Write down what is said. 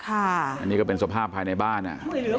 อันนี้ก็เป็นสภาพภายในบ้านอ่ะ